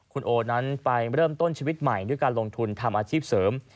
คุณโอนั้นไปเริ่มต้นชีวิตใหม่ด้วยการลงทุนทำอาชีพเสริม